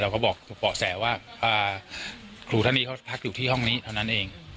เขาบอกเบาะแสว่าครูท่านนี้เขาพักอยู่ที่ห้องนี้เท่านั้นเอง